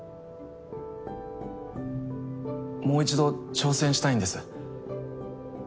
もう１度挑戦したいんです。